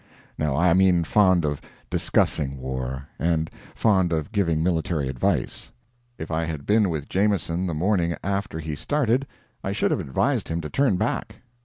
No, I mean fond of discussing war; and fond of giving military advice. If I had been with Jameson the morning after he started, I should have advised him to turn back.